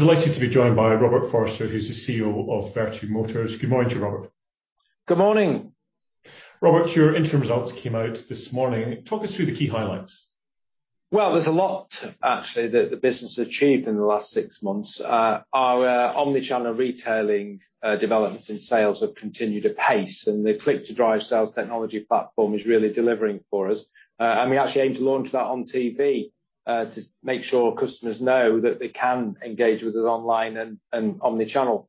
I'm delighted to be joined by Robert Forrester, who's the CEO of Vertu Motors. Good morning to you, Robert. Good morning. Robert, your interim results came out this morning. Talk us through the key highlights. Well, there's a lot, actually, that the business achieved in the last six months. Our omni-channel retailing developments and sales have continued at pace, the Click2Drive sales technology platform is really delivering for us. We actually aim to launch that on TV, to make sure customers know that they can engage with us online and omni-channel.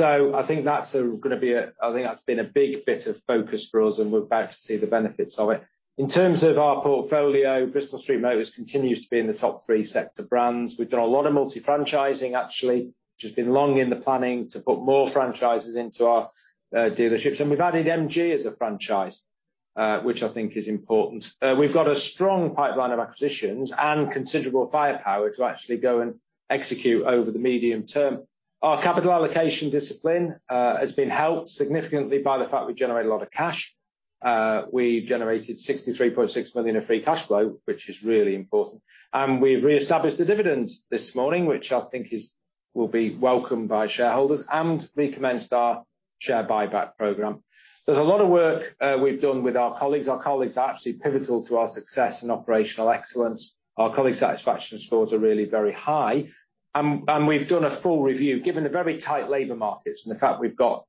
I think that's been a big bit of focus for us, and we're about to see the benefits of it. In terms of our portfolio, Bristol Street Motors continues to be in the top three sector brands. We've done a lot of multi-franchising actually, which has been long in the planning, to put more franchises into our dealerships, we've added MG as a franchise, which I think is important. We've got a strong pipeline of acquisitions and considerable firepower to actually go and execute over the medium term. Our capital allocation discipline has been helped significantly by the fact we generate a lot of cash. We've generated 63.6 million of free cash flow, which is really important. We've re-established the dividend this morning, which I think will be welcomed by shareholders and recommenced our share buyback program. There's a lot of work we've done with our colleagues. Our colleagues are actually pivotal to our success and operational excellence. Our colleague satisfaction scores are really very high. We've done a full review, given the very tight labor markets and the fact we've got,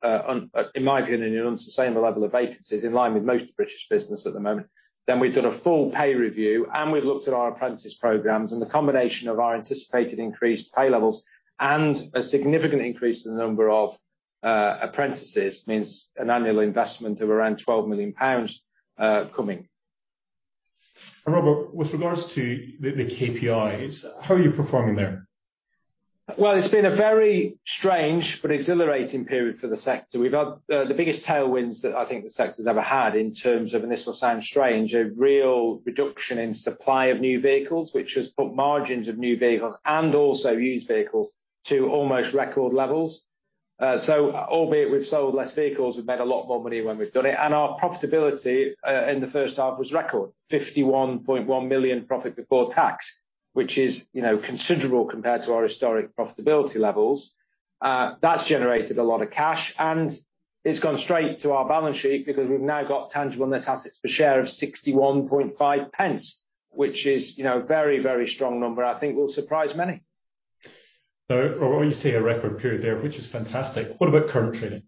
in my opinion, an unsustainable level of vacancies in line with most British business at the moment. Then we've done a full pay review, and we've looked at our apprentice programs, and the combination of our anticipated increased pay levels and a significant increase in the number of apprentices means an annual investment of around 12 million pounds coming. Robert, with regards to the KPIs, how are you performing there? Well it's been a very strange but exhilarating period for the sector. We've had the biggest tailwinds that I think the sector's ever had in terms of, and this will sound strange, a real reduction in supply of new vehicles, which has put margins of new vehicles and also used vehicles to almost record levels. Albeit we've sold less vehicles, we've made a lot more money when we've done it. Our profitability, in the first half was record 51.1 million profit before tax, which is, you know, considerable compared to our historic profitability levels. That's generated a lot of cash, and it's gone straight to our balance sheet because we've now got tangible net assets per share of 0.615 which is, you know, very, very strong number I think will surprise many. Robert, you see a record period there, which is fantastic. What about current trading?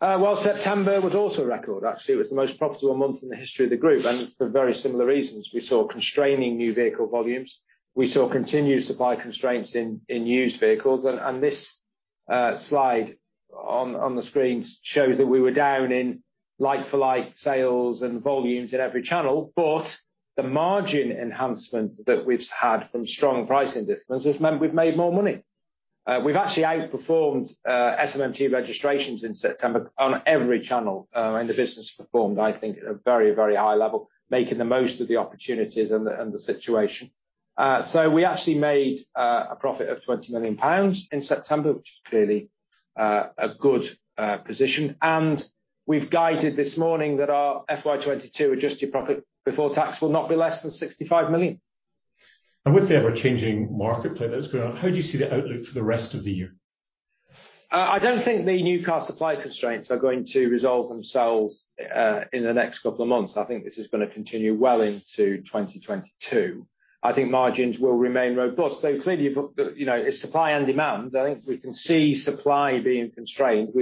Well, September was also a record, actually. It was the most profitable month in the history of the group, and for very similar reasons. We saw constraining new vehicle volumes. We saw continued supply constraints in used vehicles and this slide on the screen shows that we were down in like-for-like sales and volumes in every channel. The margin enhancement that we've had from strong pricing disciplines has meant we've made more money. We've actually outperformed SMMT registrations in September on every channel, the business performed, I think, at a very, very high level, making the most of the opportunities and the situation. We actually made a profit of 20 million pounds in September, which is clearly a good position, we've guided this morning that our FY 2022 adjusted profit before tax will not be less than 65 million. With the ever-changing marketplace that's going on, how do you see the outlook for the rest of the year? I don't think the new car supply constraints are going to resolve themselves in the next couple of months. I think this is going to continue well into 2022. I think margins will remain robust. Clearly, you know, it's supply and demand. I think we can see supply being constrained.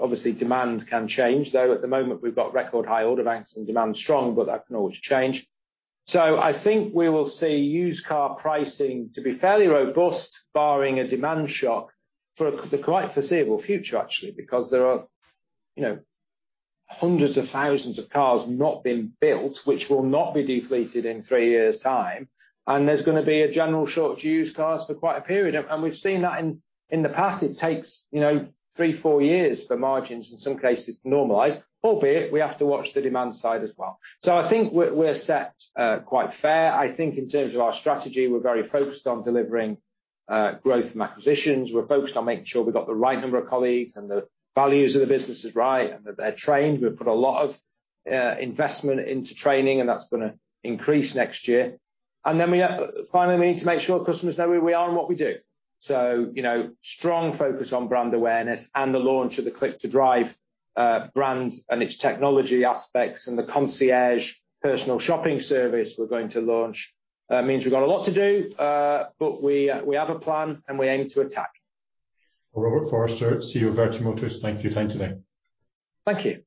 Obviously, demand can change, though at the moment we've got record high order banks and demand is strong, but that can always change. I think we will see used car pricing to be fairly robust barring a demand shock for the quite foreseeable future, actually, because there are, you know, hundreds of thousands of cars not been built, which will not be defleeted in three years' time, and there's going to be a general shortage of used cars for quite a period. We've seen that in the past. It takes, you know, three, four years for margins, in some cases, to normalize, albeit we have to watch the demand side as well. I think we're set quite fair. I think in terms of our strategy, we're very focused on delivering growth from acquisitions. We're focused on making sure we've got the right number of colleagues and the values of the business is right and that they're trained. We've put a lot of investment into training, and that's going to increase next year. Finally, we need to make sure customers know who we are and what we do. So, you know, strong focus on brand awareness and the launch of the Click2Drive brand and its technology aspects and the concierge personal shopping service we're going to launch. That means we've got a lot to do. We have a plan, and we aim to attack. Robert Forrester, CEO of Vertu Motors, thank you for your time today. Thank you.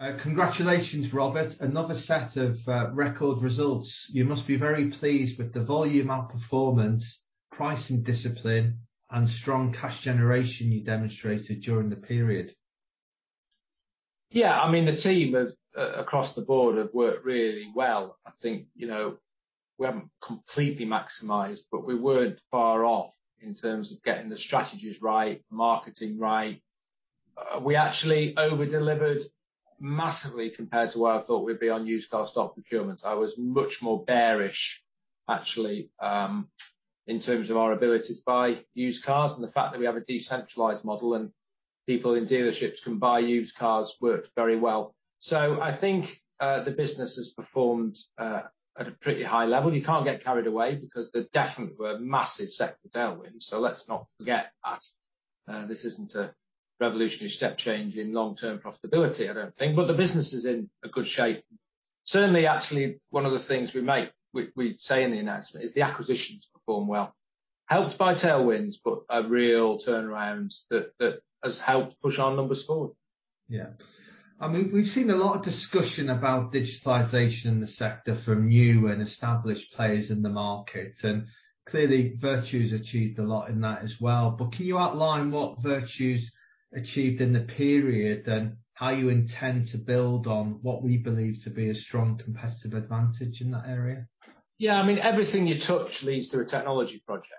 Congratulations, Robert. Another set of record results. You must be very pleased with the volume outperformance, pricing discipline, and strong cash generation you demonstrated during the period. Yeah. I mean, the team across the board have worked really well. I think, you know, we haven't completely maximized, but we weren't far off in terms of getting the strategies right, marketing right. We actually over-delivered massively compared to where I thought we'd be on used car stock procurement. I was much more bearish, actually, in terms of our ability to buy used cars. The fact that we have a decentralized model and people in dealerships can buy used cars worked very well. I think, the business has performed at a pretty high level. You can't get carried away because there definitely were a massive sector tailwind, so let's not forget that. This isn't a revolutionary step change in long-term profitability, I don't think. The business is in a good shape. Certainly, actually, one of the things we say in the announcement is the acquisitions performed well. Helped by tailwinds, but a real turnaround that has helped push our numbers forward. Yeah. I mean, we've seen a lot of discussion about digitalization in the sector from new and established players in the market. Clearly, Vertu's achieved a lot in that as well. Can you outline what Vertu's achieved in the period and how you intend to build on what we believe to be a strong competitive advantage in that area? Yeah. Everything you touch leads to a technology project.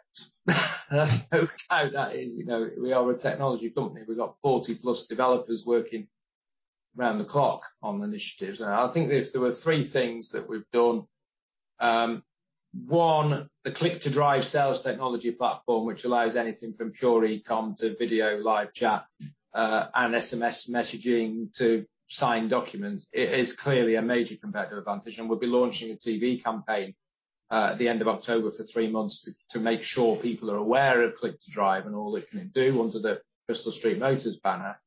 There's no doubt that is, you know. We are a technology company. We've got 40+ developers working around the clock on initiatives. I think if there were three things that we've done, one, the Click2Drive sales technology platform, which allows anything from pure e-com to video live chat, and SMS messaging to sign documents. It is clearly a major competitive advantage, and we'll be launching a TV campaign at the end of October for three months to make sure people are aware of Click2Drive and all it can do under the Bristol Street Motors banner.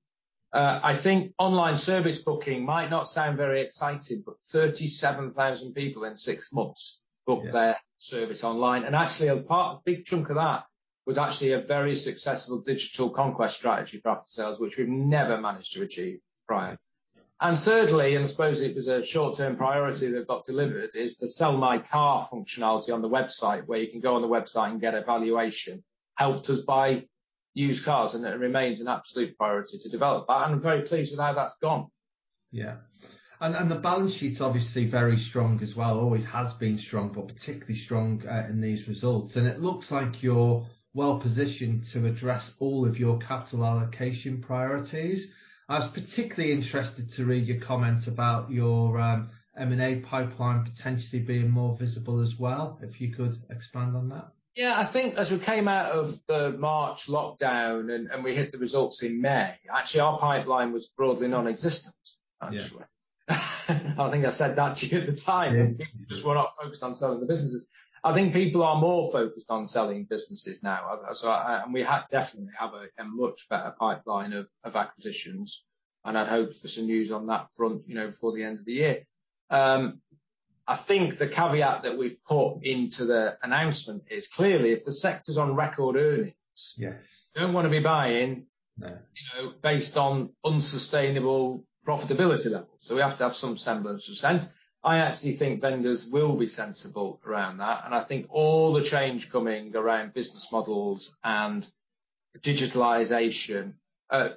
I think online service booking might not sound very exciting, but 37,000 people in six months. Yeah. Booked their service online. Actually, a big chunk of that was actually a very successful digital conquest strategy for after sales, which we've never managed to achieve prior. Thirdly, and I suppose it was a short-term priority that got delivered, is the Sell My Car functionality on the website, where you can go on the website and get a valuation. Helped us buy used cars, and it remains an absolute priority to develop that, and I'm very pleased with how that's gone. Yeah. The balance sheet's obviously very strong as well. Always has been strong, but particularly strong, in these results. It looks like you're well-positioned to address all of your capital allocation priorities. I was particularly interested to read your comment about your M&A pipeline potentially being more visible as well, if you could expand on that. Yeah. I think as we came out of the March lockdown and we hit the results in May, actually our pipeline was broadly nonexistent, actually. Yeah. I think I said that to you at the time. Yeah. People were not focused on selling the businesses. I think people are more focused on selling businesses now. We definitely have a much better pipeline of acquisitions, and I'd hope for some news on that front before the end of the year. I think the caveat that we've put into the announcement is clearly, if the sector's on record earnings. Yes. We don't wanna be buying. No. No. Based on unsustainable profitability levels. We have to have some semblance of sense. I actually think vendors will be sensible around that. I think all the change coming around business models and digitalization,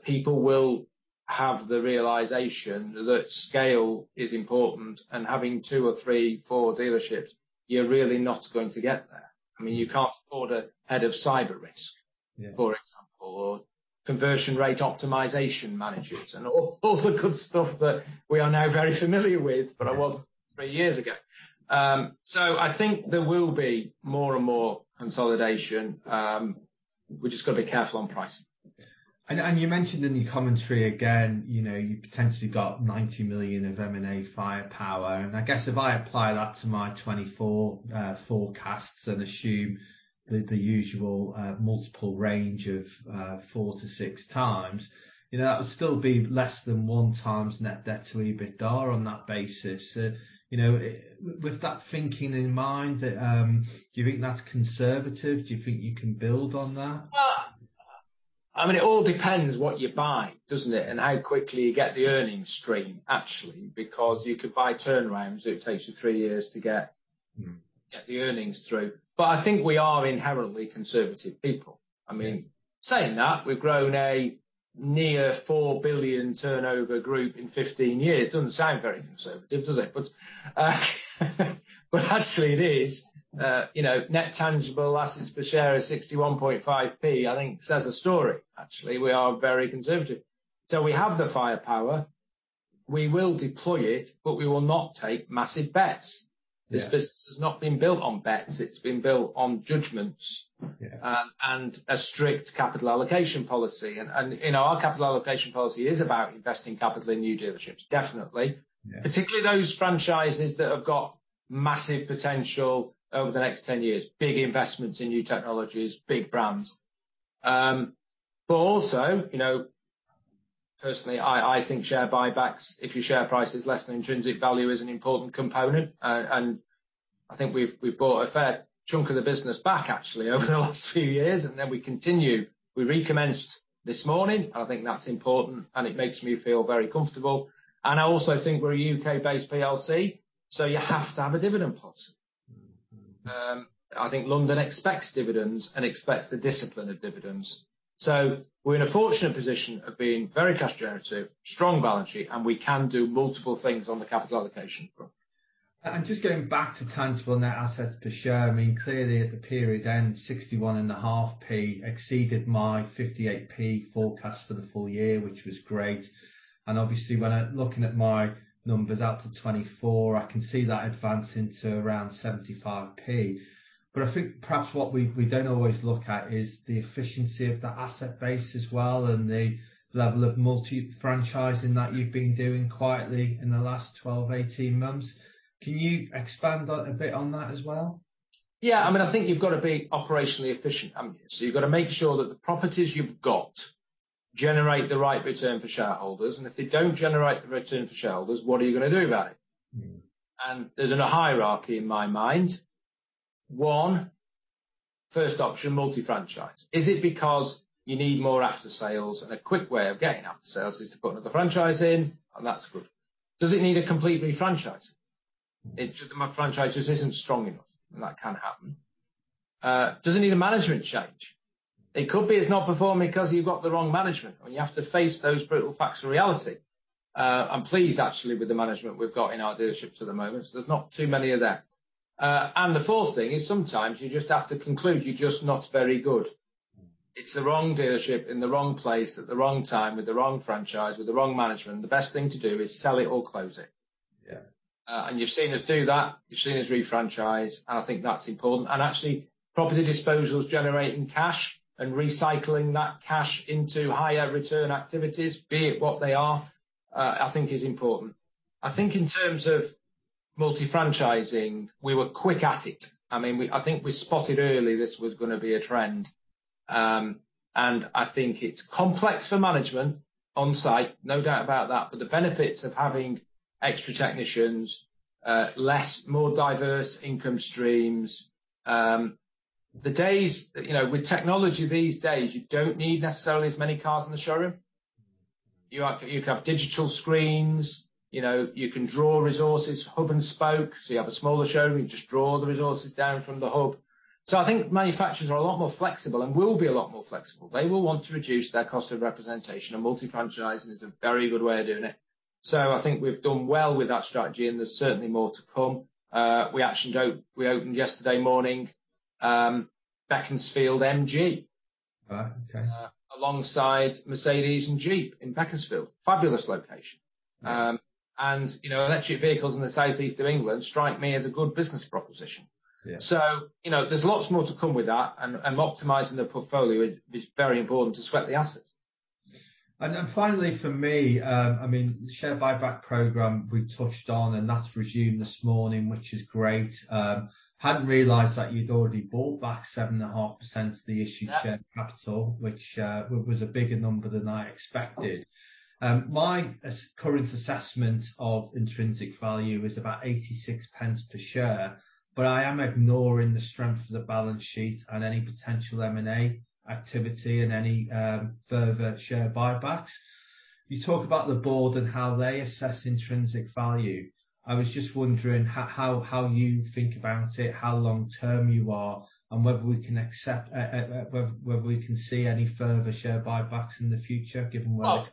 people will have the realization that scale is important, and having two or three, four dealerships, you're really not going to get there. I mean, you can't afford a head of cyber risk. Yeah. For example, conversion rate optimization managers, and all the good stuff that we are now very familiar with, but I wasn't three years ago. I think there will be more and more consolidation. We just got to be careful on price. You mentioned in your commentary again, you know, you potentially got 90 million of M&A firepower. I guess if I apply that to my 2024 forecasts and assume the usual, multiple range of four to six times, that would still be less than one times net debt to EBITDA on that basis. You know, with that thinking in mind, do you think that's conservative? Do you think you can build on that? It all depends what you buy, doesn't it? How quickly you get the earnings stream, actually. Because you could buy turnarounds, so it takes you three years to get. Mm. Get the earnings through. I think we are inherently conservative people. I mean, saying that, we've grown a near 4 billion turnover group in 15 years. Doesn't sound very conservative, does it? Actually, it is. You know, net tangible assets per share is 0.615, I think it says a story. Actually, we are very conservative. We have the firepower. We will deploy it, but we will not take massive bets. Yeah. This business has not been built on bets. It's been built on judgments. A strict capital allocation policy. Our capital allocation policy is about investing capital in new dealerships, definitely. Yeah. Particularly those franchises that have got massive potential over the next 10 years. Big investments in new technologies, big brands. Also, you know, personally, I think share buybacks, if your share price is less than intrinsic value, is an important component. I think we've bought a fair chunk of the business back actually over the last few years, and then we continue. We recommenced this morning, and I think that's important, and it makes me feel very comfortable. I also think we're a U.K.-based PLC, so you have to have a dividend policy. I think London expects dividends and expects the discipline of dividends. We're in a fortunate position of being very cash generative, strong balance sheet, and we can do multiple things on the capital allocation front. Just going back to tangible net assets per share, clearly at the period end 0.615 exceeded my 0.58 forecast for the full year, which was great. Obviously when I'm looking at my numbers out to 2024, I can see that advancing to around 0.75. I think perhaps what we don't always look at is the efficiency of that asset base as well and the level of multi-franchising that you've been doing quietly in the last 12 months, 18 months. Can you expand a bit on that as well? Yeah. I think you've got to be operationally efficient. You've got to make sure that the properties you've got generate the right return for shareholders, and if they don't generate the return for shareholders, what are you going to do about it? There's a hierarchy in my mind. One, first option, multi-franchise. Is it because you need more after-sales? A quick way of getting after-sales is to put another franchise in, and that's good. Does it need a complete re-franchising? My franchisor just isn't strong enough, and that can happen. Does it need a management change? It could be it's not performing because you've got the wrong management, and you have to face those brutal facts of reality. I'm pleased actually with the management we've got in our dealerships at the moment. There's not too many of them. The fourth thing is sometimes you just have to conclude you're just not very good. It's the wrong dealership in the wrong place at the wrong time with the wrong franchise, with the wrong management. The best thing to do is sell it or close it. Yeah. You've seen us do that. You've seen us re-franchise, and I think that's important. Actually, property disposals generating cash and recycling that cash into higher return activities, be it what they are, I think is important. I think in terms of multi-franchising, we were quick at it. I mean, I think we spotted early this was going to be a trend. I think it's complex for management on-site, no doubt about that, but the benefits of having extra technicians, less, more diverse income streams. With technology these days, you don't need necessarily as many cars in the showroom. You can have digital screens. You know, you can draw resources, hub and spoke, so you have a smaller showroom, you just draw the resources down from the hub. I think manufacturers are a lot more flexible and will be a lot more flexible. They will want to reduce their cost of representation, and multi-franchising is a very good way of doing it. I think we've done well with that strategy, and there's certainly more to come. We, actually, opened yesterday morning, Beaconsfield MG. Oh, okay. Alongside Mercedes-Benz and Jeep in Beaconsfield. Fabulous location. You know, electric vehicles in the southeast of England strike me as a good business proposition. Yeah. So, you know, there's lots more to come with that, and optimizing the portfolio is very important to sweat the assets. Finally for me, I mean, the share buyback program we touched on. That's resumed this morning, which is great. Hadn't realized that you'd already bought back 7.5% of the issued. Yeah. Share capital, which was a bigger number than I expected. My current assessment of intrinsic value is about 0.86 per share, but I am ignoring the strength of the balance sheet and any potential M&A activity and any further share buybacks. You talk about the board and how they assess intrinsic value. I was just wondering how you think about it, how long-term you are, and whether we can see any further share buybacks in the future given where. Well,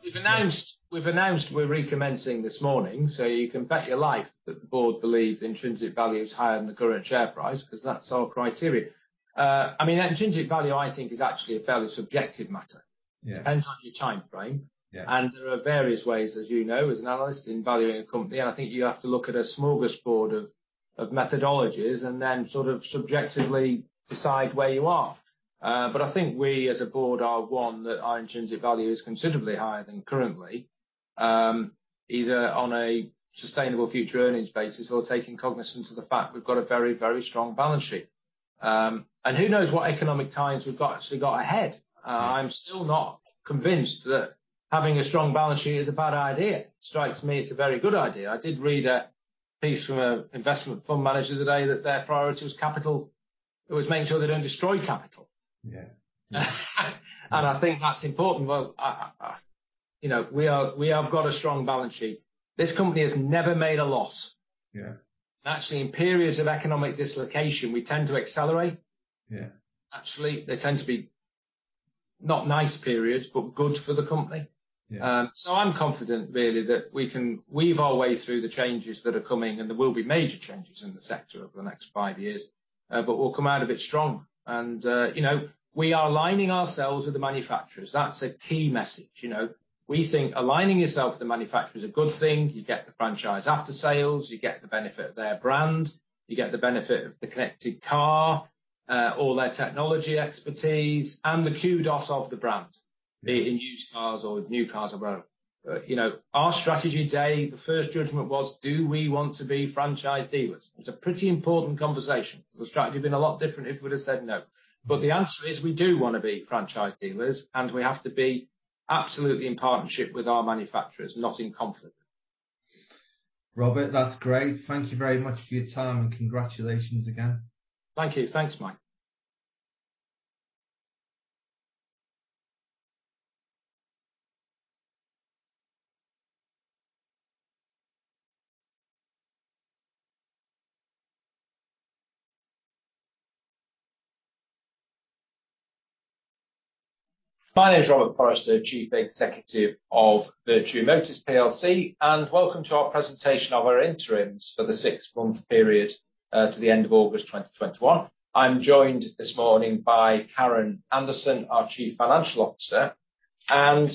we've announced we're recommencing this morning, so you can bet your life that the board believes intrinsic value is higher than the current share price, because that's our criteria. I mean, our intrinsic value, I think, is actually a fairly subjective matter. Yeah. Depends on your timeframe. Yeah. There are various ways, as you know as an analyst, in valuing a company, and I think you have to look at a smorgasbord of methodologies and then sort of subjectively decide where you are. I think we, as a board, are one, that our intrinsic value is considerably higher than currently, either on a sustainable future earnings basis or taking cognizance of the fact we've got a very, very strong balance sheet. Who knows what economic times we've actually got ahead. I'm still not convinced that having a strong balance sheet is a bad idea. Strikes me as a very good idea. I did read a piece from an investment fund manager today that their priority was capital. It was making sure they don't destroy capital. Yeah. I think that's important. You know, we have got a strong balance sheet. This company has never made a loss. Yeah. Actually, in periods of economic dislocation, we tend to accelerate. Yeah. Actually, they tend to be not nice periods, but good for the company. Yeah. I'm confident really that we can weave our way through the changes that are coming, and there will be major changes in the sector over the next five years. We'll come out of it strong. And, you know, we are aligning ourselves with the manufacturers. That's a key message, you know. We think aligning yourself with the manufacturer is a good thing. You get the franchise after-sales, you get the benefit of their brand, you get the benefit of the connected car, all their technology expertise, and the kudos of the brand. Be it in used cars or new cars or whatever. You know, our strategy day, the first judgment was, do we want to be franchise dealers? It's a pretty important conversation. The strategy would've been a lot different if we'd have said no. The answer is we do want to be franchise dealers, and we have to be absolutely in partnership with our manufacturers, not in conflict. Robert, that's great. Thank you very much for your time, and congratulations again. Thank you. Thanks, [Mike]. My name is Robert Forrester, Chief Executive of Vertu Motors PLC. Welcome to our presentation of our interims for the six months period to the end of August 2021. I'm joined this morning by Karen Anderson, our Chief Financial Officer. I'm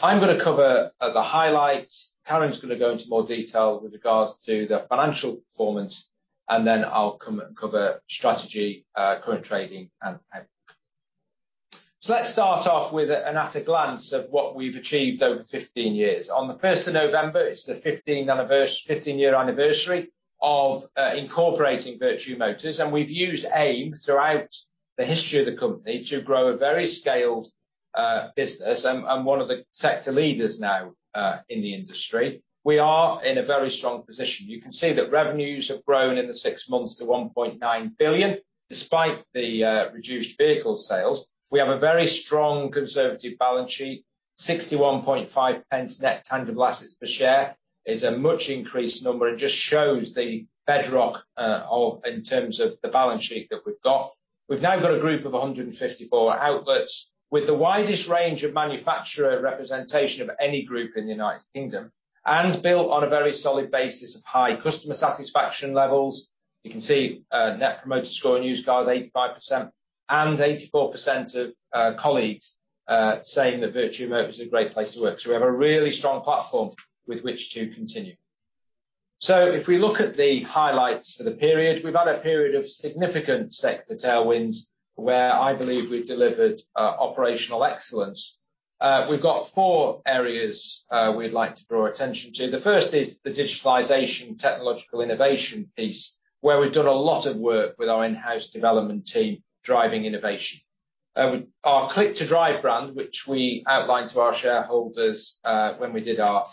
going to cover the highlights. Karen's going to go into more detail with regards to the financial performance. Then I'll cover strategy, current trading, and outlook. Let's start off with an at a glance of what we've achieved over 15 years. On the 1st of November, it's the 15-year anniversary of incorporating Vertu Motors. We've used AIM throughout the history of the company to grow a very scaled business, one of the sector leaders now in the industry. We are in a very strong position. You can see that revenues have grown in the six months to 1.9 billion, despite the reduced vehicle sales. We have a very strong conservative balance sheet, 0.615 net tangible assets per share is a much increased number. It just shows the bedrock in terms of the balance sheet that we've got. We've now got a group of 154 outlets with the widest range of manufacturer representation of any group in the U.K., and built on a very solid basis of high customer satisfaction levels. You can see Net Promoter Score in used cars, 85% and 84% of colleagues saying that Vertu Motors is a great place to work. We have a really strong platform with which to continue. If we look at the highlights for the period, we've had a period of significant sector tailwinds where I believe we've delivered operational excellence. We've got four areas we'd like to draw attention to. The first is the digitalization technological innovation piece, where we've done a lot of work with our in-house development team driving innovation. Our Click2Drive brand, which we outlined to our shareholders when we did our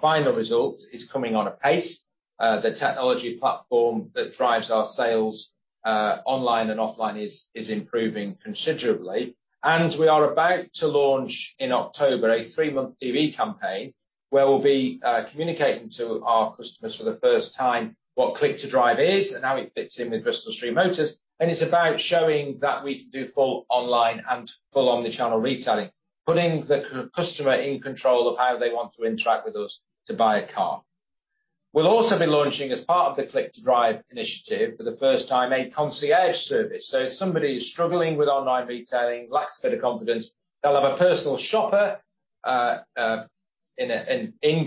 final results, is coming on a pace. The technology platform that drives our sales online and offline is improving considerably. We are about to launch in October a three-month TV campaign where we'll be communicating to our customers for the first time what Click2Drive is and how it fits in with Bristol Street Motors. It's about showing that we can do full online and full omni-channel retailing, putting the customer in control of how they want to interact with us to buy a car. We'll also be launching as part of the Click2Drive initiative for the first time a concierge service. If somebody is struggling with online retailing, lacks a bit of confidence, they'll have a personal shopper in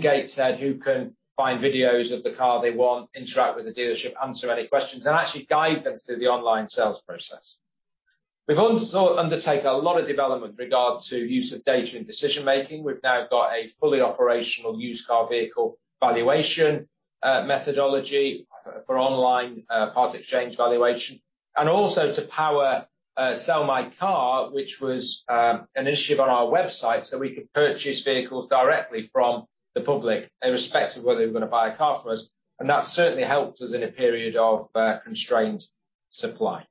Gateshead who can find videos of the car they want, interact with the dealership, answer any questions, and actually guide them through the online sales process. We've also undertaken a lot of development regards to use of data in decision making. We've now got a fully operational used car vehicle valuation methodology for online part exchange valuation, and also to power Sell My Car, which was an initiative on our website so we could purchase vehicles directly from the public irrespective of whether they were going to buy a car from us, and that certainly helped us in a period of constrained supply.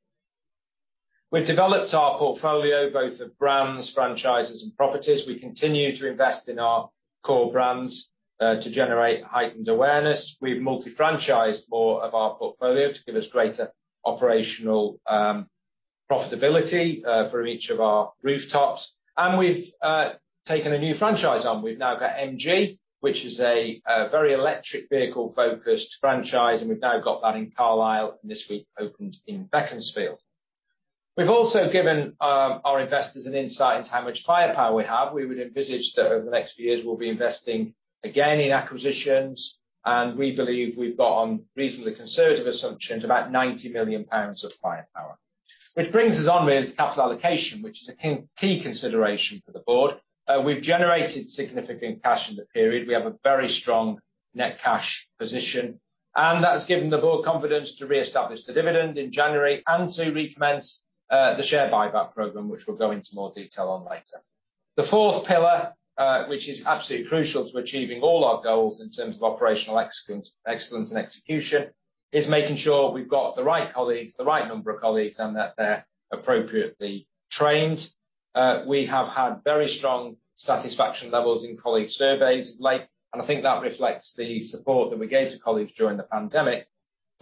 We've developed our portfolio, both of brands, franchises, and properties. We continue to invest in our core brands, to generate heightened awareness. We've multi-franchised more of our portfolio to give us greater operational profitability for each of our rooftops, and we've taken a new franchise on. We've now got MG, which is a very electric vehicle-focused franchise, and we've now got that in Carlisle, and this week opened in Beaconsfield. We've also given our investors an insight into how much firepower we have. We would envisage that over the next few years we'll be investing again in acquisitions, and we believe we've got on reasonably conservative assumptions about 90 million pounds of firepower. Which brings us on really to capital allocation, which is a key consideration for the board. We've generated significant cash in the period. We have a very strong net cash position, and that has given the board confidence to reestablish the dividend in January and to recommence the share buyback program, which we'll go into more detail on later. The fourth pillar, which is absolutely crucial to achieving all our goals in terms of operational excellence and execution, is making sure we've got the right colleagues, the right number of colleagues, and that they're appropriately trained. We have had very strong satisfaction levels in colleague surveys of late, and I think that reflects the support that we gave to colleagues during the pandemic.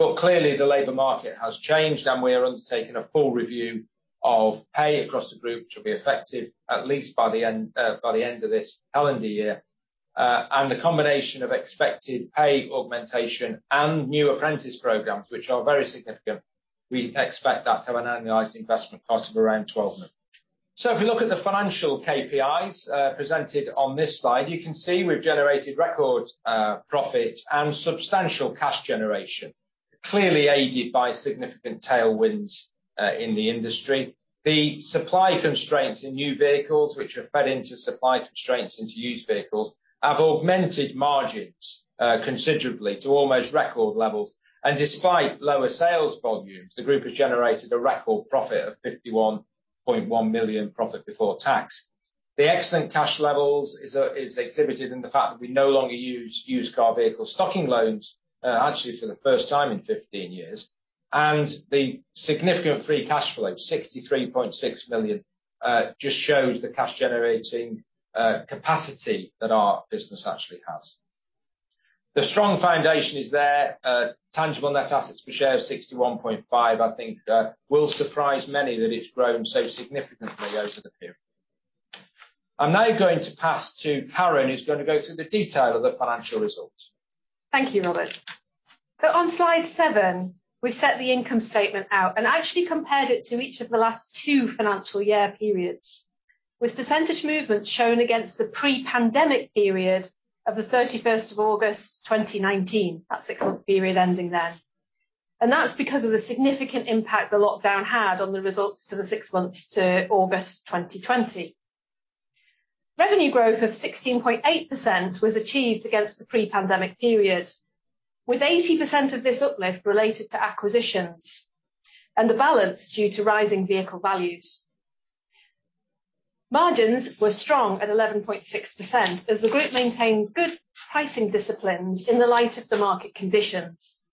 Clearly the labor market has changed, and we are undertaking a full review of pay across the group, which will be effective at least by the end of this calendar year. The combination of expected pay augmentation and new apprentice programs, which are very significant, we expect that to have an annualized investment cost of around 12 million. If you look at the financial KPIs presented on this slide, you can see we've generated record profit and substantial cash generation, clearly aided by significant tailwinds in the industry. The supply constraints in new vehicles, which have fed into supply constraints into used vehicles, have augmented margins considerably to almost record levels. Despite lower sales volumes, the group has generated a record profit of 51.1 million profit before tax. The excellent cash levels is exhibited in the fact that we no longer use used car vehicle stocking loans, actually for the first time in 15 years, and the significant free cash flow, 63.6 million, just shows the cash-generating capacity that our business actually has. The strong foundation is there. Tangible net assets per share of 0.615, I think, will surprise many that it's grown so significantly over the period. I'm now going to pass to Karen, who's going to go through the detail of the financial results. Thank you, Robert. On slide seven, we've set the income statement out and actually compared it to each of the last two financial year periods, with percentage movements shown against the pre-pandemic period of the 31st of August 2019. That six-month period ending then. That's because of the significant impact the lockdown had on the results to the six months to August 2020. Revenue growth of 16.8% was achieved against the pre-pandemic period, with 80% of this uplift related to acquisitions, and the balance due to rising vehicle values. Margins were strong at 11.6% as the group maintained good pricing disciplines in the light of the market conditions.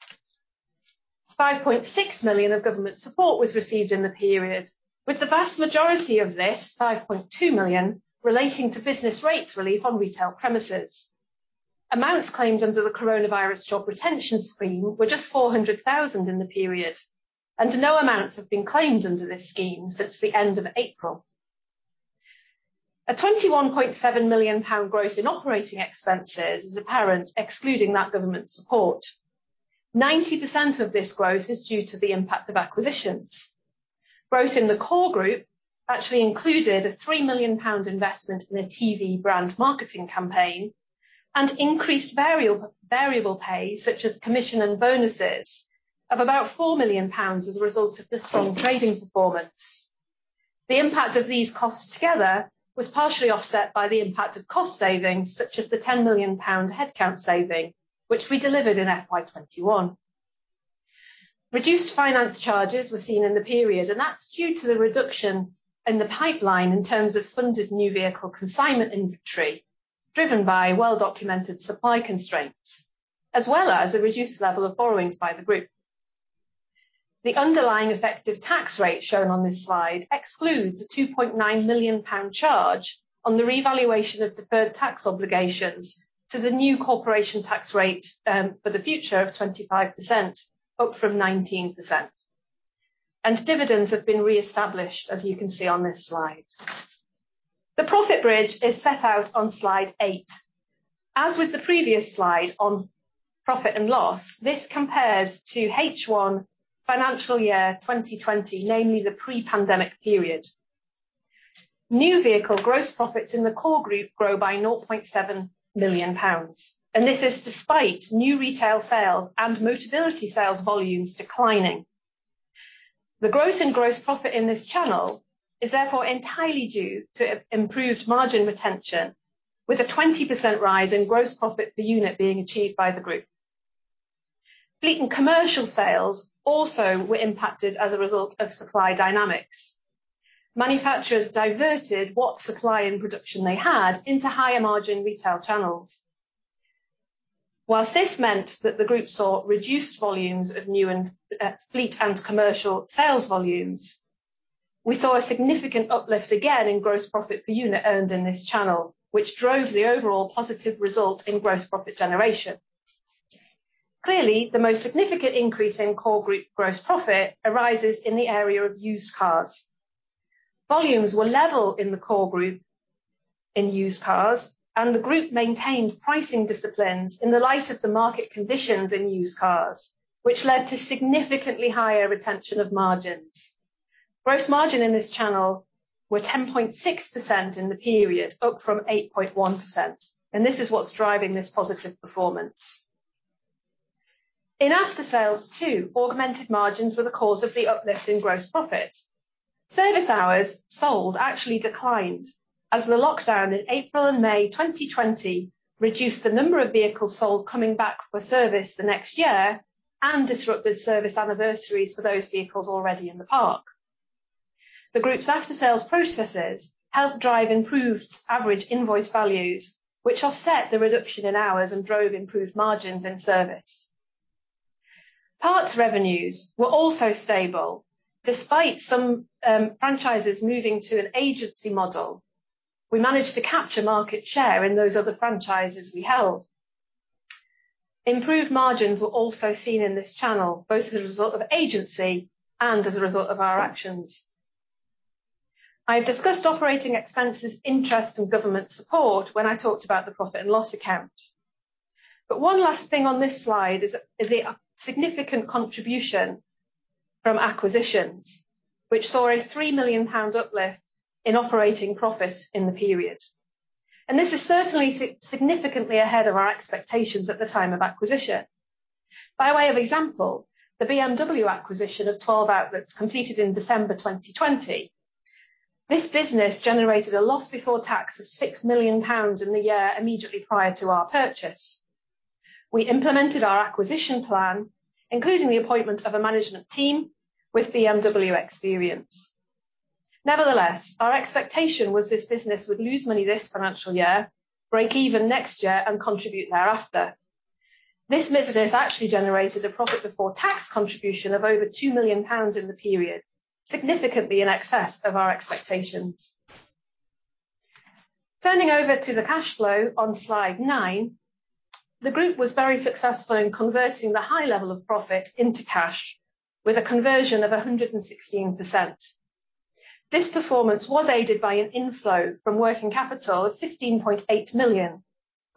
5.6 million of government support was received in the period, with the vast majority of this, 5.2 million, relating to business rates relief on retail premises. Amounts claimed under the Coronavirus Job Retention Scheme were just 400,000 in the period, and no amounts have been claimed under this scheme since the end of April. A 21.7 million pound growth in operating expenses is apparent excluding that government support. 90% of this growth is due to the impact of acquisitions. Growth in the core group actually included a 3 million pound investment in a TV brand marketing campaign and increased variable pay, such as commission and bonuses, of about 4 million pounds as a result of the strong trading performance. The impact of these costs together was partially offset by the impact of cost savings, such as the 10 million pound headcount saving, which we delivered in FY 2021. Reduced finance charges were seen in the period, and that's due to the reduction in the pipeline in terms of funded new vehicle consignment inventory, driven by well-documented supply constraints, as well as a reduced level of borrowings by the group. The underlying effective tax rate shown on this slide excludes a 2.9 million pound charge on the revaluation of deferred tax obligations to the new corporation tax rate for the future of 25%, up from 19%. Dividends have been reestablished, as you can see on this slide. The profit bridge is set out on slide eight. As with the previous slide on profit and loss, this compares to H1 financial year 2020, namely the pre-pandemic period. New vehicle gross profits in the core group grow by 0.7 million pounds, and this is despite new retail sales and Motability sales volumes declining. The growth in gross profit in this channel is, therefore, entirely due to improved margin retention, with a 20% rise in gross profit per unit being achieved by the group. Fleet and commercial sales also were impacted as a result of supply dynamics. Manufacturers diverted what supply and production they had into higher margin retail channels. Whilst this meant that the group saw reduced volumes of new fleet and commercial sales volumes, we saw a significant uplift again in gross profit per unit earned in this channel, which drove the overall positive result in gross profit generation. Clearly, the most significant increase in core group gross profit arises in the area of used cars. Volumes were level in the core group in used cars, and the group maintained pricing disciplines in the light of the market conditions in used cars, which led to significantly higher retention of margins. Gross margin in this channel were 10.6% in the period, up from 8.1%, and this is what's driving this positive performance. In after-sales too, augmented margins were the cause of the uplift in gross profit. Service hours sold actually declined as the lockdown in April and May 2020 reduced the number of vehicles sold coming back for service the next year and disrupted service anniversaries for those vehicles already in the park. The group's after-sales processes helped drive improved average invoice values, which offset the reduction in hours and drove improved margins in service. Parts revenues were also stable. Despite some franchises moving to an agency model, we managed to capture market share in those other franchises we held. Improved margins were also seen in this channel, both as a result of agency and as a result of our actions. I've discussed operating expenses, interest, and government support when I talked about the profit and loss account. One last thing on this slide is the significant contribution from acquisitions, which saw a 3 million pound uplift in operating profit in the period. This is certainly significantly ahead of our expectations at the time of acquisition. By way of example, the BMW acquisition of 12 outlets completed in December 2020. This business generated a loss before tax of 6 million pounds in the year immediately prior to our purchase. We implemented our acquisition plan, including the appointment of a management team with BMW experience. Nevertheless, our expectation was this business would lose money this financial year, break even next year, and contribute thereafter. This business actually generated a profit before tax contribution of over 2 million pounds in the period, significantly in excess of our expectations. Turning over to the cash flow on slide nine, the group was very successful in converting the high level of profit into cash, with a conversion of 116%. This performance was aided by an inflow from working capital of 15.8 million.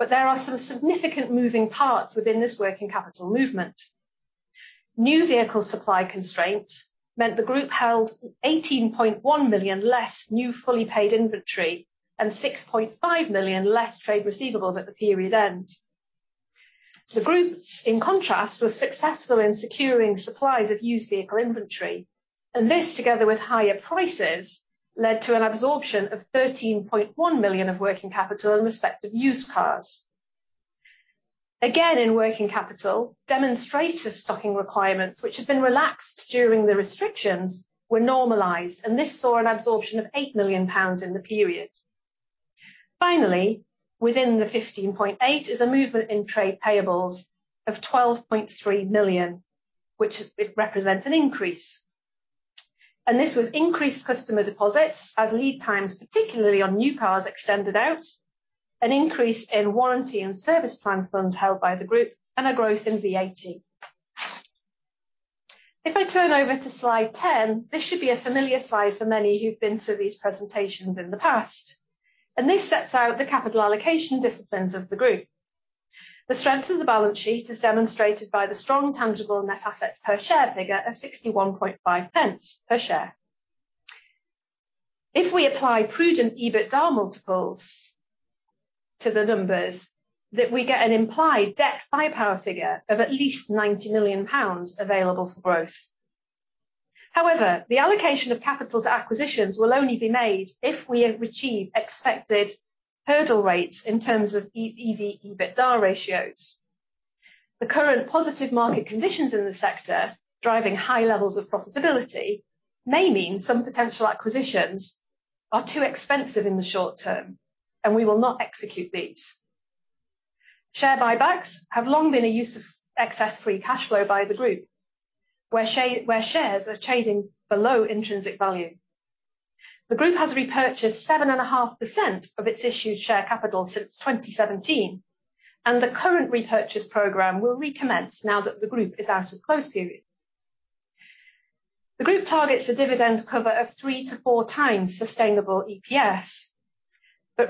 There are some significant moving parts within this working capital movement. New vehicle supply constraints meant the group held 18.1 million less new fully paid inventory and 6.5 million less trade receivables at the period end. The group, in contrast, was successful in securing supplies of used vehicle inventory. This, together with higher prices, led to an absorption of 13.1 million of working capital in respect of used cars. Again, in working capital, demonstrator stocking requirements, which had been relaxed during the restrictions, were normalized, and this saw an absorption of 8 million pounds in the period. Finally, within the 15.8 million is a movement in trade payables of 12.3 million, which represents an increase, and this was increased customer deposits as lead times, particularly on new cars, extended out, an increase in warranty and service plan funds held by the group, and a growth in VAT. If I turn over to slide 10, this should be a familiar slide for many who've been to these presentations in the past, and this sets out the capital allocation disciplines of the group. The strength of the balance sheet is demonstrated by the strong tangible net assets per share figure of 0.615 per share. If we apply prudent EBITDA multiples to the numbers, we get an implied debt buy power figure of at least 90 million pounds available for growth. However, the allocation of capital to acquisitions will only be made if we achieve expected hurdle rates in terms of EV-EBITDA ratios. The current positive market conditions in the sector, driving high levels of profitability, may mean some potential acquisitions are too expensive in the short term, and we will not execute these. Share buybacks have long been a use of excess free cash flow by the group, where shares are trading below intrinsic value. The group has repurchased 7.5% of its issued share capital since 2017, and the current repurchase program will recommence now that the group is out of close period. The group targets a dividend cover of three to four times sustainable EPS.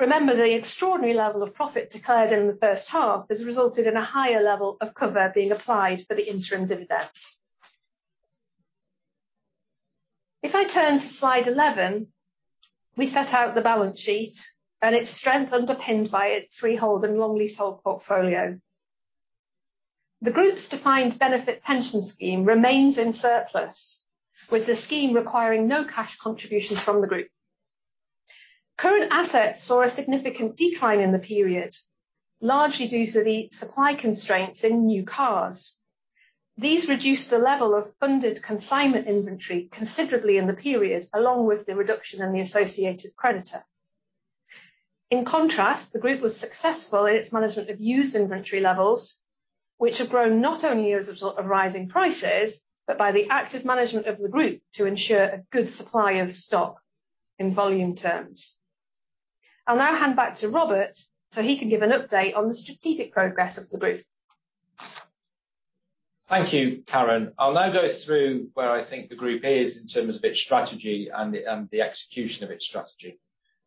Remember, the extraordinary level of profit declared in the first half has resulted in a higher level of cover being applied for the interim dividend. If I turn to slide 11, we set out the balance sheet and its strength underpinned by its freehold and long leasehold portfolio. The group's defined benefit pension scheme remains in surplus, with the scheme requiring no cash contributions from the group. Current assets saw a significant decline in the period, largely due to the supply constraints in new cars. These reduced the level of funded consignment inventory considerably in the period, along with the reduction in the associated creditor. In contrast, the group was successful in its management of used inventory levels, which have grown not only as a result of rising prices, but by the active management of the group to ensure a good supply of stock in volume terms. I'll now hand back to Robert so he can give an update on the strategic progress of the group. Thank you, Karen. I'll now go through where I think the group is in terms of its strategy and the execution of its strategy.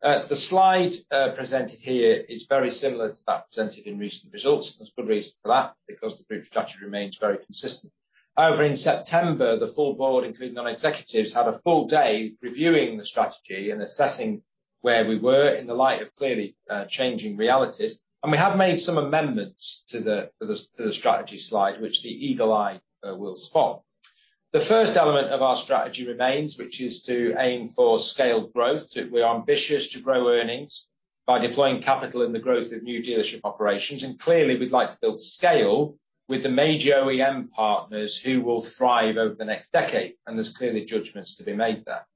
The slide presented here is very similar to that presented in recent results. There's good reason for that, because the group's strategy remains very consistent. However, in September, the full board, including non-executives, had a full day reviewing the strategy and assessing where we were in the light of clearly changing realities, and we have made some amendments to the strategy slide, which the eagle eye will spot. The first element of our strategy remains, which is to aim for scaled growth. We are ambitious to grow earnings by deploying capital in the growth of new dealership operations, and clearly, we'd like to build scale with the major OEM partners who will thrive over the next decade, and there's clearly judgments to be made there.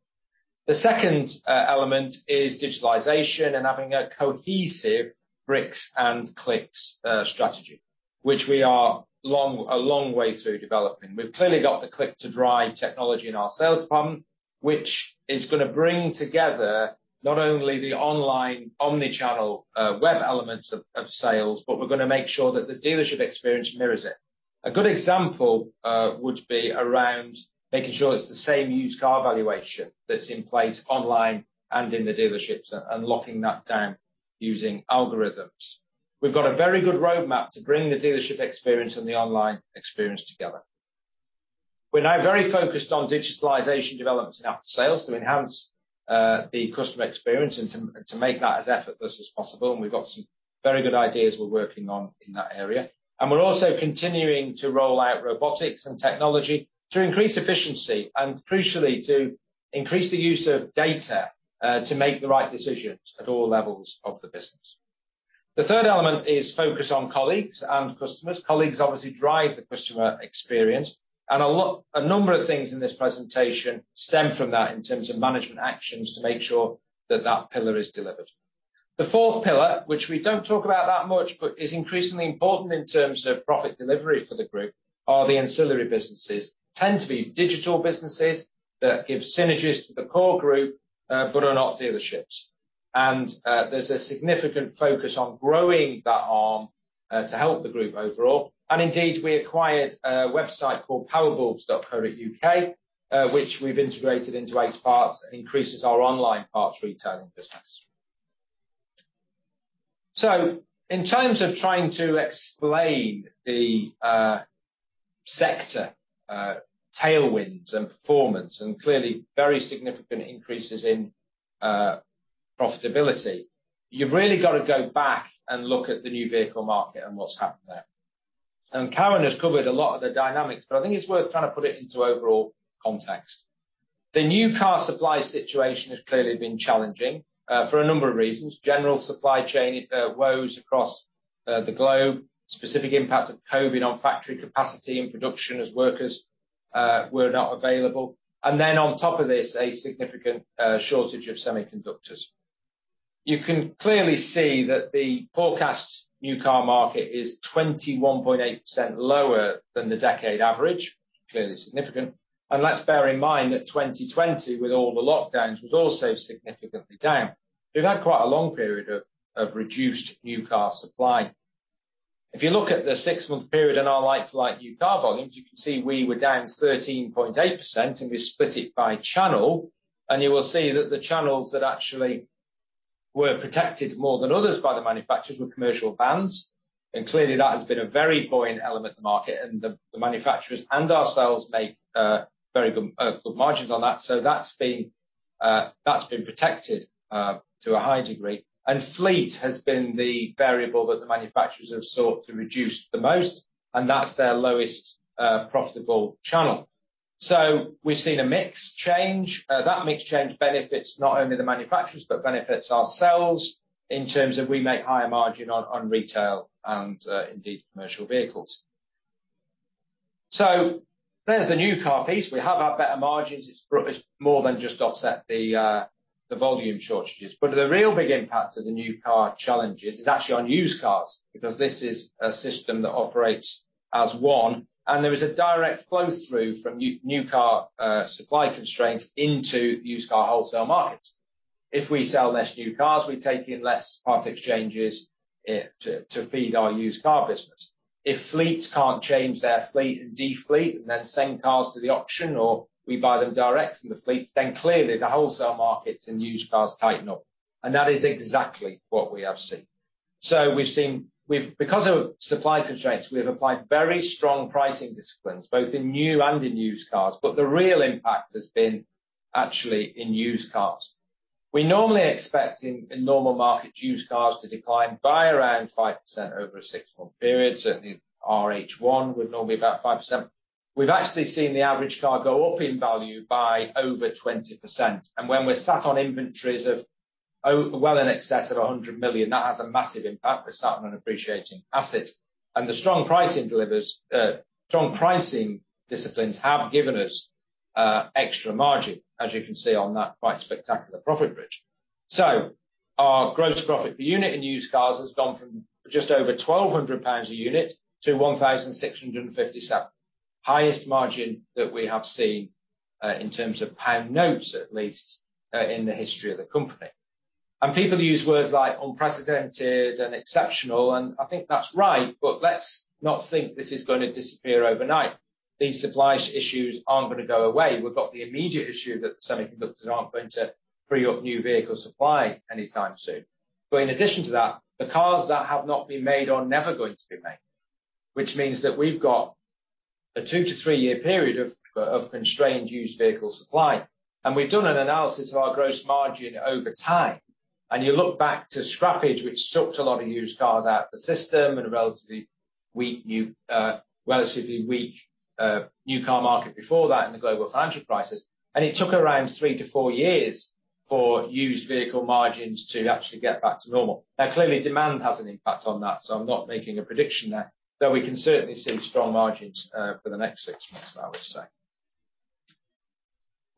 The second element is digitalization and having a cohesive bricks and clicks strategy, which we are a long way through developing. We've clearly got the Click2Drive technology in our sales funnel, which is going to bring together not only the online omni-channel web elements of sales, but we're going to make sure that the dealership experience mirrors it. A good example would be around making sure it's the same used car valuation that's in place online and in the dealerships and locking that down using algorithms. We've got a very good roadmap to bring the dealership experience and the online experience together. We're now very focused on digitalization developments in after sales to enhance the customer experience and to make that as effortless as possible, and we've got some very good ideas we're working on in that area. We are also continuing to roll out robotics and technology to increase efficiency, and crucially, to increase the use of data, to make the right decisions at all levels of the business. The third element is focus on colleagues and customers. Colleagues obviously drive the customer experience. A number of things in this presentation stem from that in terms of management actions to make sure that that pillar is delivered. The fourth pillar, which we don't talk about that much, but is increasingly important in terms of profit delivery for the group, are the ancillary businesses. Tend to be digital businesses that give synergies to the core group, but are not dealerships. There's a significant focus on growing that arm, to help the group overall. Indeed, we acquired a website called powerbulbs.co.uk, which we've integrated into Aceparts and increases our online parts retailing business. In terms of trying to explain the sector tailwinds and performance, clearly very significant increases in profitability, you've really got to go back and look at the new vehicle market and what's happened there. Karen has covered a lot of the dynamics, but I think it's worth trying to put it into overall context. The new car supply situation has clearly been challenging, for a number of reasons. General supply chain woes across the globe, specific impact of COVID on factory capacity and production as workers were not available, and then on top of this, a significant shortage of semiconductors. You can clearly see that the forecast new car market is 21.8% lower than the decade average, clearly significant. Let's bear in mind that 2020, with all the lockdowns, was also significantly down. We've had quite a long period of reduced new car supply. If you look at the six-month period in our like-for-like new car volumes, you can see we were down 13.8%. We split it by channel, and you will see that the channels that actually were protected more than others by the manufacturers were commercial vans. Clearly that has been a very buoyant element in the market, and the manufacturers and ourselves make very good margins on that. That's been protected to a high degree. Fleet has been the variable that the manufacturers have sought to reduce the most, and that's their lowest profitable channel. We've seen a mix change. That mix change benefits not only the manufacturers, but benefits ourselves in terms of we make higher margin on retail and indeed commercial vehicles. There's the new car piece. We have had better margins. It's more than just offset the volume shortages. The real big impact of the new car challenges is actually on used cars, because this is a system that operates as one, and there is a direct flow-through from new car supply constraints into used car wholesale markets. If we sell less new cars, we take in less part exchanges to feed our used car business. If fleets can't change their fleet and de-fleet, and then send cars to the auction or we buy them direct from the fleets, then clearly the wholesale markets and used cars tighten up. That is exactly what we have seen. We've seen, because of supply constraints, we have applied very strong pricing disciplines, both in new and in used cars, but the real impact has been actually in used cars. We normally expect in normal markets used cars to decline by around 5% over a six-month period. Certainly our HI would normally be about 5%. We've actually seen the average car go up in value by over 20%. When we're sat on inventories of well in excess of 100 million, that has a massive impact. We're sat on an appreciating asset. The strong pricing delivers strong pricing disciplines have given us extra margin, as you can see on that quite spectacular profit bridge. Our gross profit per unit in used cars has gone from just over 1,200 pounds a unit to 1,657. Highest margin that we have seen, in terms of pound notes at least, in the history of the company. People use words like unprecedented and exceptional, I think that's right, let's not think this is gonna disappear overnight. These supply issues aren't gonna go away. We've got the immediate issue that semiconductors aren't going to free up new vehicle supply anytime soon. In addition to that, the cars that have not been made are never going to be made, which means that we've got a two to three-year period of constrained used vehicle supply. We've done an analysis of our gross margin over time. You look back to scrappage, which sucked a lot of used cars out of the system and a relatively weak new car market before that in the global financial crisis, and it took around three to four years for used vehicle margins to actually get back to normal. Clearly, demand has an impact on that, so I'm not making a prediction there. We can certainly see strong margins for the next six months, I would say.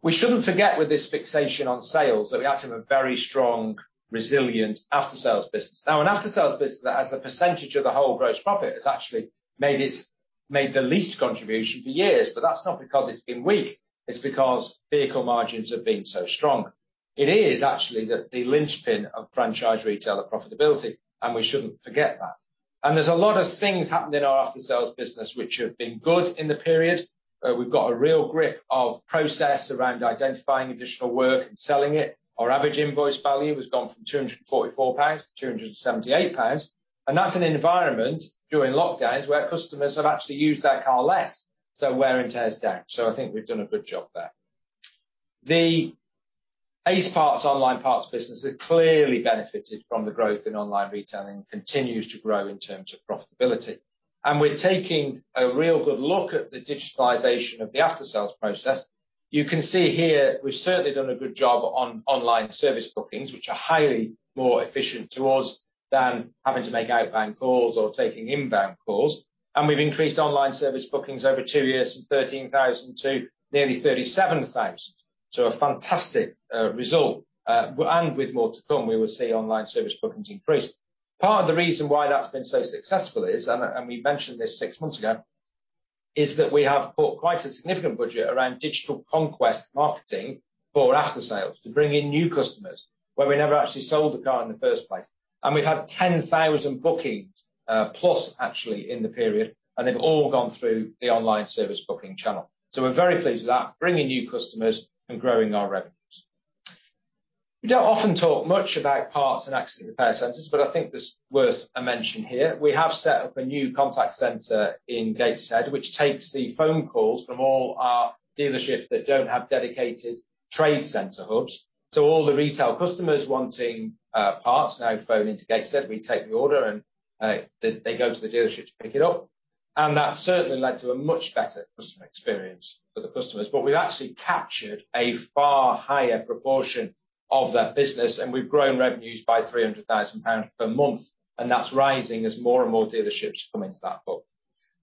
We shouldn't forget with this fixation on sales that we actually have a very strong, resilient aftersales business. Now, an aftersales business that as a percentage of the whole gross profit has actually made the least contribution for years, but that's not because it's been weak, it's because vehicle margins have been so strong. It is actually the linchpin of franchise retailer profitability, and we shouldn't forget that. There's a lot of things happening in our aftersales business which have been good in the period. We've got a real grip of process around identifying additional work and selling it. Our average invoice value has gone from 244-278 pounds. That's an environment during lockdowns where customers have actually used their car less, so wear and tear is down. I think we've done a good job there. The Aceparts online parts business has clearly benefited from the growth in online retailing, continues to grow in terms of profitability. We're taking a real good look at the digitalization of the after-sales process. You can see here we've certainly done a good job on online service bookings, which are highly more efficient to us than having to make outbound calls or taking inbound calls. We've increased online service bookings over two years from 13,000 to nearly 37,000. A fantastic result, and with more to come, we will see online service bookings increase. Part of the reason why that's been so successful is, and we mentioned this six months ago, is that we have put quite a significant budget around digital conquest marketing for after sales to bring in new customers where we never actually sold the car in the first place. We've had 10,000 bookings, plus actually, in the period, and they've all gone through the online service booking channel. We're very pleased with that, bringing new customers and growing our revenues. We don't often talk much about parts and accident repair centers, but I think that's worth a mention here. We have set up a new contact center in Gateshead, which takes the phone calls from all our dealerships that don't have dedicated trade center hubs. All the retail customers wanting parts now phone into Gateshead, we take the order, and they go to the dealership to pick it up. That certainly led to a much better customer experience for the customers. We've actually captured a far higher proportion of their business, and we've grown revenues by 300,000 pounds per month, and that's rising as more and more dealerships come into that book.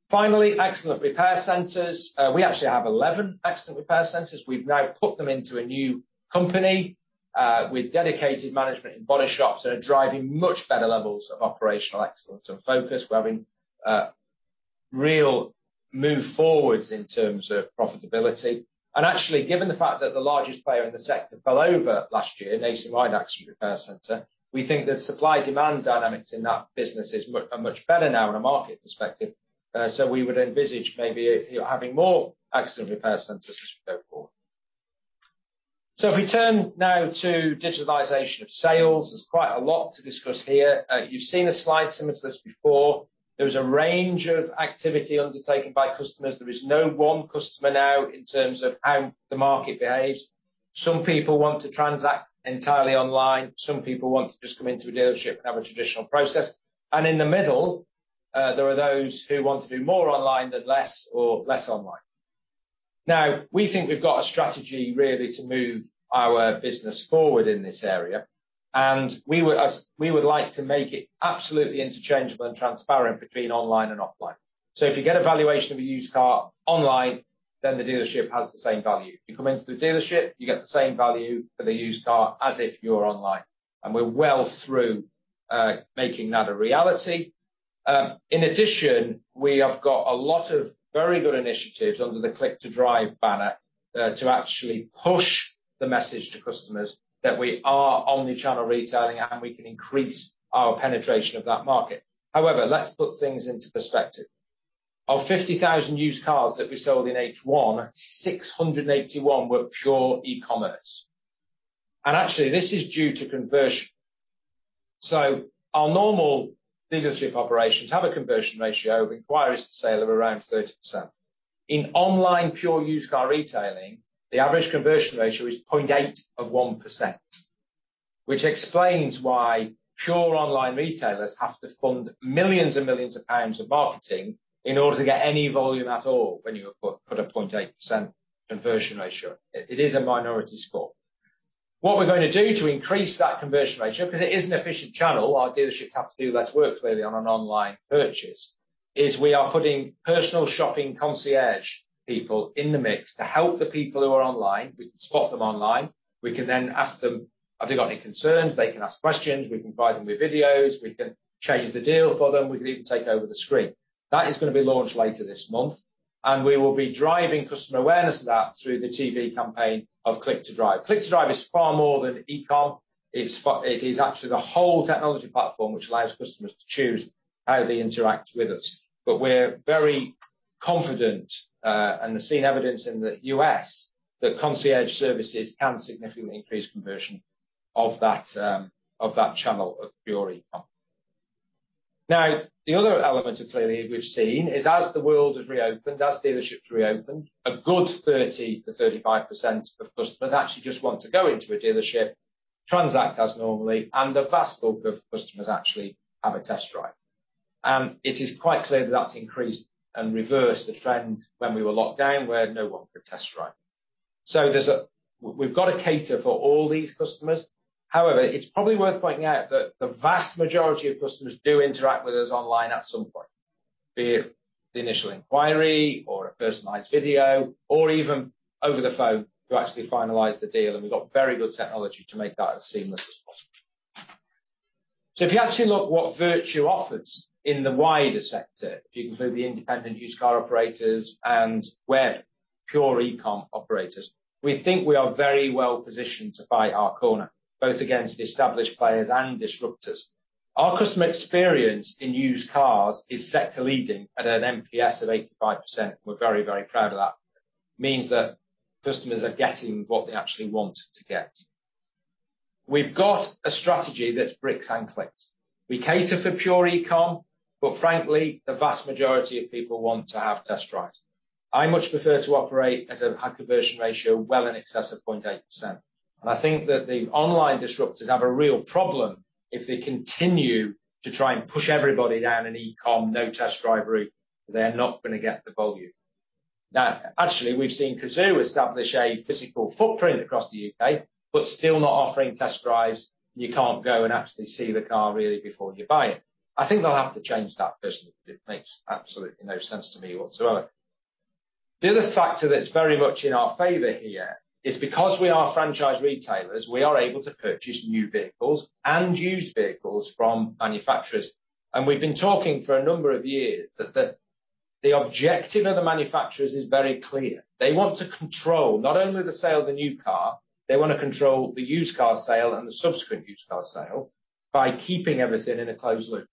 Finally, accident repair centers. We actually have 11 accident repair centers. We've now put them into a new company, with dedicated management and body shops that are driving much better levels of operational excellence and focus. We're having real move forwards in terms of profitability. Actually, given the fact that the largest player in the sector fell over last year, Nationwide Accident Repair Services, we think that supply-demand dynamics in that business are much better now in a market perspective. We would envisage maybe having more accident repair centers as we go forward. If we turn now to digitalization of sales, there's quite a lot to discuss here. You've seen a slide similar to this before. There is a range of activity undertaken by customers. There is no one customer now in terms of how the market behaves. Some people want to transact entirely online. Some people want to just come into a dealership and have a traditional process. In the middle, there are those who want to do more online than less or less online. Now, we think we've got a strategy really to move our business forward in this area, and we would like to make it absolutely interchangeable and transparent between online and offline. If you get a valuation of a used car online, then the dealership has the same value. You come into the dealership, you get the same value for the used car as if you are online. We're well through making that a reality. In addition, we have got a lot of very good initiatives under the Click2Drive banner to actually push the message to customers that we are omnichannel retailing and we can increase our penetration of that market. However, let's put things into perspective. Of 50,000 used cars that we sold in H1, 681 were pure e-commerce. Actually, this is due to conversion. Our normal dealership operations have a conversion ratio of inquiries to sale of around 30%. In online pure used car retailing, the average conversion ratio is 0.8% of 1%, which explains why pure online retailers have to fund millions and millions of pounds of marketing in order to get any volume at all when you put a 0.8% conversion ratio. It is a minority score. What we're going to do to increase that conversion ratio, because it is an efficient channel, our dealerships have to do less work clearly on an online purchase, is we are putting personal shopping concierge people in the mix to help the people who are online. We can spot them online. We can then ask them, have they got any concerns? They can ask questions. We can provide them with videos. We can change the deal for them. We can even take over the screen. That is gonna be launched later this month. We will be driving customer awareness of that through the TV campaign of Click2Drive. Click2Drive is far more than e-com. It is actually the whole technology platform which allows customers to choose how they interact with us. We're very confident, and have seen evidence in the U.S., that concierge services can significantly increase conversion of that channel of pure e-com. Now, the other element clearly we've seen is as the world has reopened, as dealerships reopened, a good 30%-35% of customers actually just want to go into a dealership, transact as normally, and the vast bulk of customers actually have a test drive. It is quite clear that that's increased and reversed the trend when we were locked down, where no one could test drive. We've got to cater for all these customers. However, it's probably worth pointing out that the vast majority of customers do interact with us online at some point, be it the initial inquiry or a personalized video or even over the phone to actually finalize the deal. We've got very good technology to make that as seamless as possible. If you actually look what Vertu offers in the wider sector, if you include the independent used car operators and web pure e-com operators, we think we are very well positioned to fight our corner, both against established players and disruptors. Our customer experience in used cars is sector-leading at an NPS of 85%, and we're very, very proud of that. It means that customers are getting what they actually want to get. We've got a strategy that's bricks and clicks. We cater for pure e-com, but frankly, the vast majority of people want to have test drives. I much prefer to operate at a conversion ratio well in excess of 0.8%. I think that the online disruptors have a real problem if they continue to try and push everybody down an e-com, no test driver route, they are not going to get the volume. Actually, we've seen Cazoo establish a physical footprint across the U.K., still not offering test drives. You can't go and actually see the car really before you buy it. I think they'll have to change that personally. It makes absolutely no sense to me whatsoever. The other factor that's very much in our favor here is because we are franchise retailers, we are able to purchase new vehicles and used vehicles from manufacturers. We've been talking for a number of years that the objective of the manufacturers is very clear. They want to control not only the sale of the new car, they want to control the used car sale and the subsequent used car sale by keeping everything in a closed loop.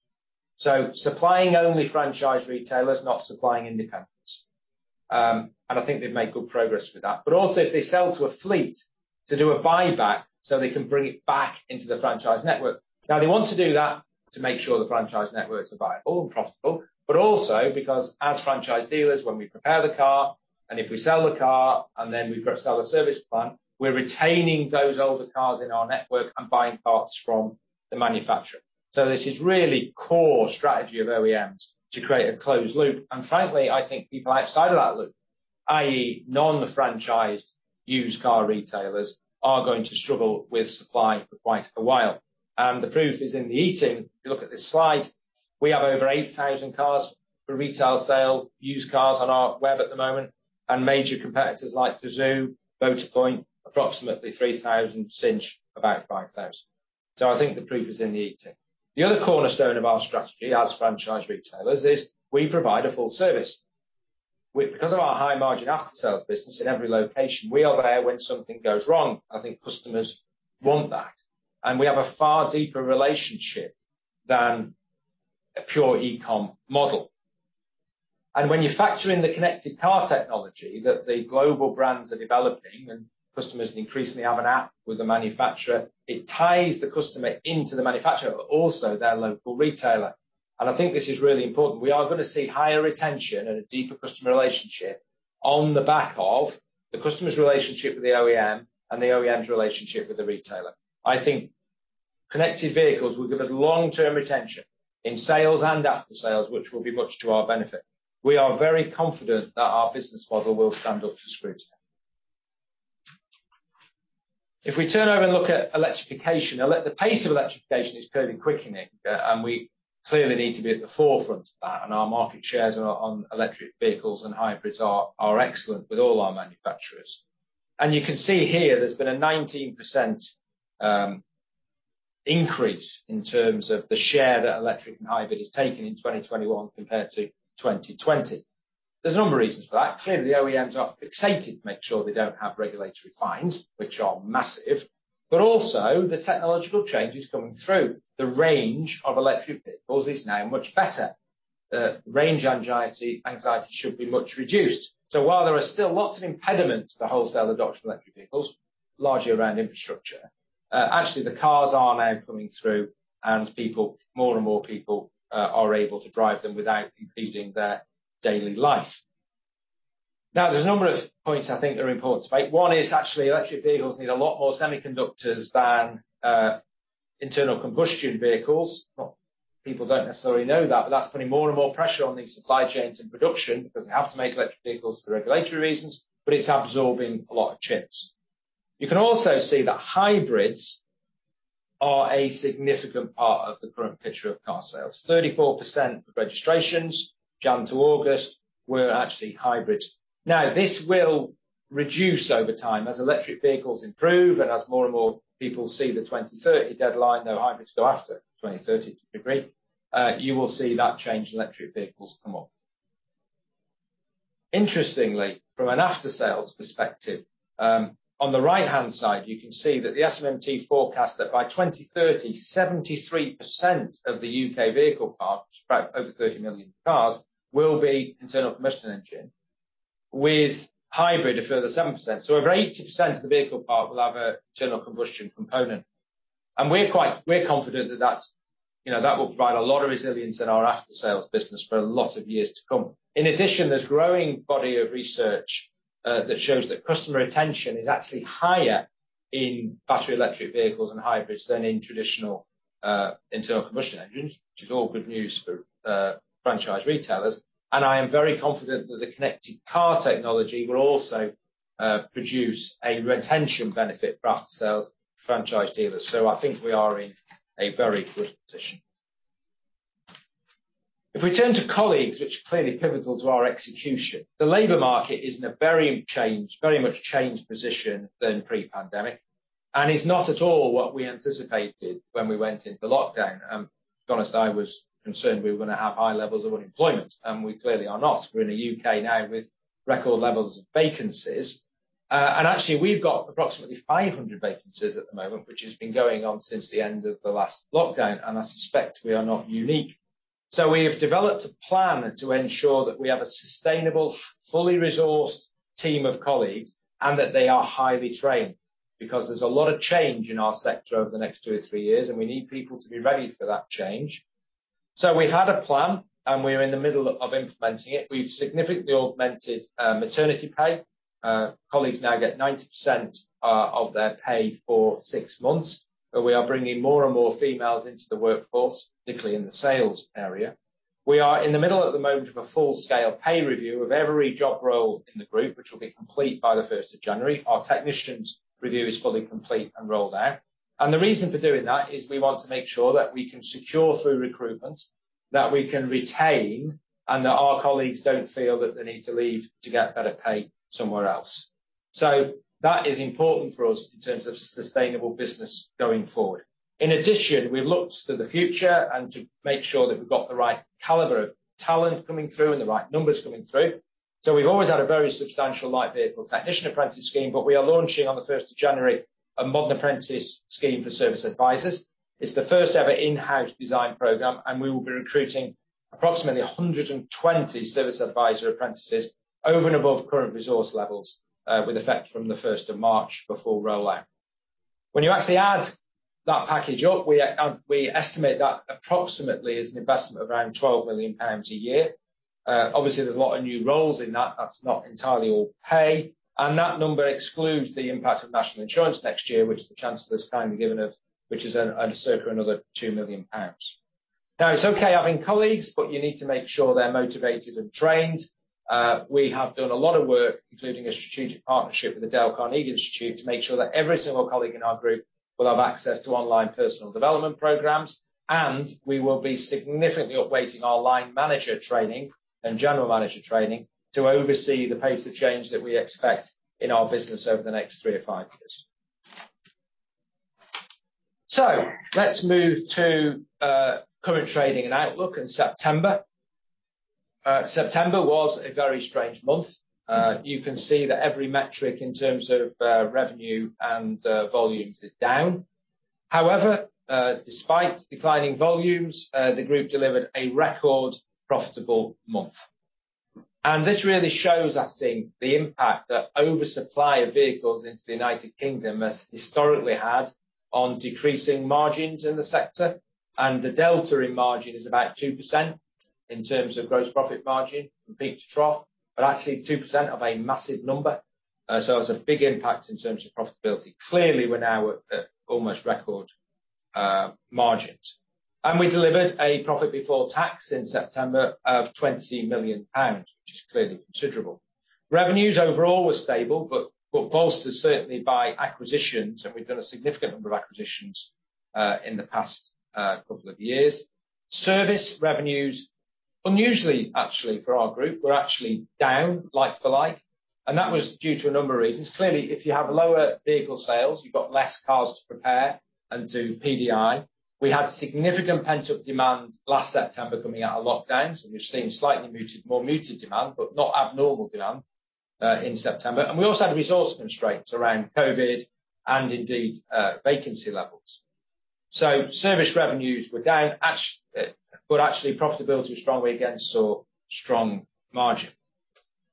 Supplying only franchise retailers, not supplying independents. I think they've made good progress with that. Also if they sell to a fleet to do a buyback so they can bring it back into the franchise network. They want to do that to make sure the franchise networks are viable and profitable, but also because as franchise dealers, when we prepare the car, and if we sell the car, and then we sell a service plan, we're retaining those older cars in our network and buying parts from the manufacturer. This is really core strategy of OEMs to create a closed loop. Frankly, I think people outside of that loop, i.e., non-franchised used car retailers, are going to struggle with supply for quite a while. The proof is in the eating. If you look at this slide, we have over 8,000 cars for retail sale, used cars on our web at the moment, and major competitors like Cazoo, Motorpoint, approximately 3,000, Cinch, about 5,000. I think the proof is in the eating. The other cornerstone of our strategy as franchise retailers is we provide a full service. Because of our high-margin aftersales business in every location, we are there when something goes wrong. I think customers want that. We have a far deeper relationship than a pure e-com model. When you factor in the connected car technology that the global brands are developing, and customers increasingly have an app with the manufacturer, it ties the customer into the manufacturer, but also their local retailer. I think this is really important. We are going to see higher retention and a deeper customer relationship on the back of the customer's relationship with the OEM and the OEM's relationship with the retailer. I think connected vehicles will give us long-term retention in sales and aftersales, which will be much to our benefit. We are very confident that our business model will stand up to scrutiny. If we turn over and look at electrification, the pace of electrification is clearly quickening, and we clearly need to be at the forefront of that. Our market shares on electric vehicles and hybrids are excellent with all our manufacturers. You can see here there's been a 19% increase in terms of the share that electric and hybrid has taken in 2021 compared to 2020. There's a number of reasons for that. Clearly, the OEMs are fixated to make sure they don't have regulatory fines, which are massive, but also the technological change is coming through. The range of electric vehicles is now much better. Range anxiety should be much reduced. While there are still lots of impediments to wholesale adoption of electric vehicles, largely around infrastructure, actually the cars are now coming through and more and more people are able to drive them without impeding their daily life. There's a number of points I think that are important to make. One is actually electric vehicles need a lot more semiconductors than internal combustion vehicles. People don't necessarily know that, but that's putting more and more pressure on these supply chains in production because they have to make electric vehicles for regulatory reasons, but it's absorbing a lot of chips. You can also see that hybrids are a significant part of the current picture of car sales. 34% of registrations January to August were actually hybrids. This will reduce over time as electric vehicles improve and as more and more people see the 2030 deadline, no hybrids to go after 2030, do you agree? You will see that change in electric vehicles come up. Interestingly, from an aftersales perspective, on the right-hand side, you can see that the SMMT forecast that by 2030, 73% of the U.K. vehicle park, which is about over 30 million cars, will be internal combustion engine. With hybrid, a further 7%. Over 80% of the vehicle park will have a general combustion component. We're confident that that will provide a lot of resilience in our aftersales business for a lot of years to come. In addition, there's a growing body of research that shows that customer retention is actually higher in battery, electric vehicles, and hybrids than in traditional internal combustion engines, which is all good news for franchise retailers. I am very confident that the connected car technology will also produce a retention benefit for aftersales franchise dealers. I think we are in a very good position. If we turn to colleagues, which are clearly pivotal to our execution, the labor market is in a very much changed position than pre-pandemic, and is not at all what we anticipated when we went into lockdown. To be honest, I was concerned we were going to have high levels of unemployment, and we clearly are not. We're in a U.K. now with record levels of vacancies. Actually, we've got approximately 500 vacancies at the moment, which has been going on since the end of the last lockdown. I suspect we are not unique. We have developed a plan to ensure that we have a sustainable, fully resourced team of colleagues, and that they are highly trained, because there's a lot of change in our sector over the next two to three years, and we need people to be ready for that change. We had a plan, and we are in the middle of implementing it. We've significantly augmented maternity pay. Colleagues now get 90% of their pay for six months. We are bringing more and more females into the workforce, particularly in the sales area. We are in the middle, at the moment, of a full-scale pay review of every job role in the group, which will be complete by the 1st of January. Our technicians' review is fully complete and rolled out. The reason for doing that is we want to make sure that we can secure through recruitment, that we can retain, and that our colleagues don't feel that they need to leave to get better pay somewhere else. That is important for us in terms of sustainable business going forward. In addition, we've looked to the future and to make sure that we've got the right caliber of talent coming through and the right numbers coming through. We've always had a very substantial light vehicle technician apprentice scheme, but we are launching on the 1st of January, a modern apprentice scheme for service advisors. It's the first-ever in-house design program, and we will be recruiting approximately 120 service advisor apprentices over and above current resource levels, with effect from the 1st of March before rollout. When you actually add that package up, we estimate that approximately is an investment of around 12 million pounds a year. Obviously, there's a lot of new roles in that. That's not entirely all pay, and that number excludes the impact of National Insurance next year, which the Chancellor's kindly given us, which is circa another 2 million pounds. Now, it's okay having colleagues, but you need to make sure they're motivated and trained. We have done a lot of work, including a strategic partnership with the Dale Carnegie Training, to make sure that every single colleague in our group will have access to online personal development programs, and we will be significantly upweighting our line manager training and general manager training to oversee the pace of change that we expect in our business over the next three or five years. Let's move to current trading and outlook in September. September was a very strange month. You can see that every metric in terms of revenue and volumes is down. However, despite declining volumes, the group delivered a record profitable month. This really shows, I think, the impact that oversupply of vehicles into the U.K. has historically had on decreasing margins in the sector. The delta in margin is about 2% in terms of gross profit margin from peak to trough, but actually 2% of a massive number. It was a big impact in terms of profitability. Clearly, we're now at almost record margins. We delivered a profit before tax in September of 20 million pounds, which is clearly considerable. Revenues overall were stable but bolstered certainly by acquisitions, and we've done a significant number of acquisitions in the past couple of years. Service revenues, unusually, actually, for our group, were actually down like for like, and that was due to a number of reasons. Clearly, if you have lower vehicle sales, you've got less cars to prepare and do PDI. We had significant pent-up demand last September coming out of lockdown, so we've seen slightly muted, more muted demand, but not abnormal demand, in September. We also had resource constraints around COVID and indeed, vacancy levels. Service revenues were down but actually profitability was strong. We again saw strong margin.